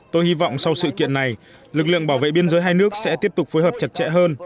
tôi hy vọng sau sự kiện này lực lượng bảo vệ biên giới hai nước sẽ tiếp tục phối hợp chặt chẽ hơn